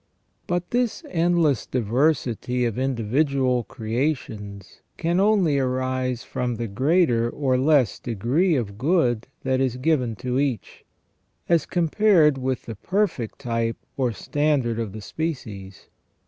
But this endless diver sity of individual creations can only arise from the greater or less degree of good that is given to each, as compared with the perfect type or standard of the species.